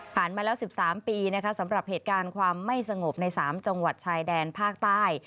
มาแล้ว๑๓ปีนะคะสำหรับเหตุการณ์ความไม่สงบใน๓จังหวัดชายแดนภาคใต้